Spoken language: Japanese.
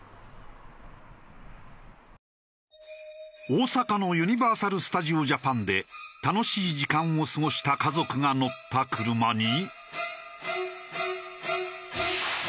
大阪のユニバーサル・スタジオ・ジャパンで楽しい時間を過ごした家族が乗った車に。